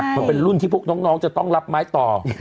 มันเป็นรุ่นที่พวกน้องจะต้องรับไม้ต่อ